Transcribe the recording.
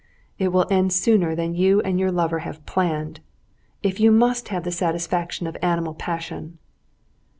"It will end sooner than you and your lover have planned! If you must have the satisfaction of animal passion...."